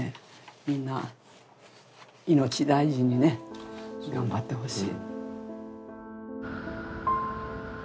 みんな命大事にね頑張ってほしい。